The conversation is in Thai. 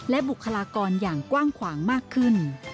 และบุคลากรอย่างกว้างขวางมากขึ้น